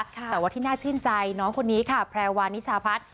แต่ว่าที่น่าชื่นใจน้องคนนี้ค่ะแพรวานิชาพัฒน์